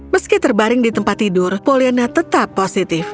meski terbaring di tempat tidur poliana tetap positif